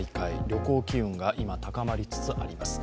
旅行機運が今、高まりつつあります